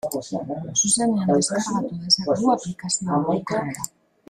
Zuzenean deskargatu dezakezu aplikazioa mugikorrera.